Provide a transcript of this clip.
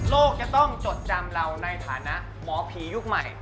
จะต้องจดจำเราในฐานะหมอผียุคใหม่